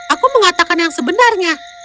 aku mengatakan yang sebenarnya